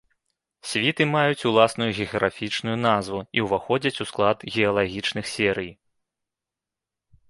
Світы маюць уласную геаграфічную назву і ўваходзяць у склад геалагічных серый.